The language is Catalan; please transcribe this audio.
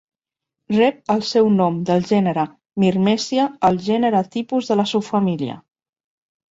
Rep el seu nom del gènere Myrmecia, el gènere tipus de la subfamília.